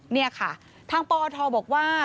นี่ค่ะทางปอทบอกว่า